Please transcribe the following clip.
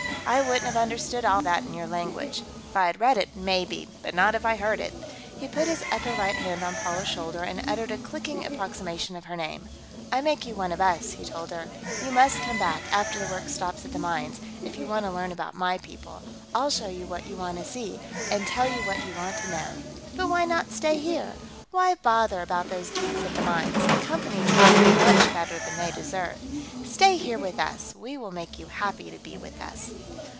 "I wouldn't have understood all that in your language. If I had read it, maybe, but not if I heard it." He put his upper right hand on Paula's shoulder and uttered a clicking approximation of her name. "I make you one of us," he told her. "You must come back, after the work stops at the mines; if you want to learn about my people, I'll show you what you want to see, and tell you what you want to know. But why not stay here? Why bother about those geeks at the mines; the Company treats them much better than they deserve. Stay here with us; we will make you happy to be with us."